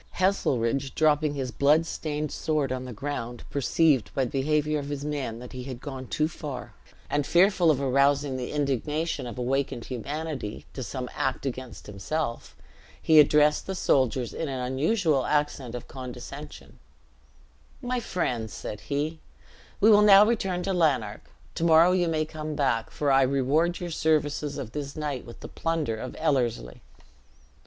Heselrigge, dropping his blood stained sword on the ground, perceived by the behavior of his men that he had gone too far, and fearful of arousing the indignation of awakened humanity, to some act against himself, he addressed the soldiers in an unusual accent of condescension: "My friends," said he, "we will now return to Lanark; to morrow you may come back, for I reward your services of this night with the plunder of Ellerslie."